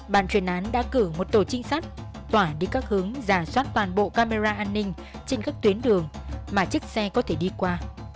bàn truyền án đã cử một tổ trinh sát tỏa đi các hướng giả soát toàn bộ camera an ninh trên các tuyến đường mà chiếc xe có thể đi qua